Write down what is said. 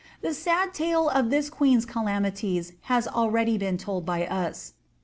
The sad tale of that queen's calamities has already been told by us.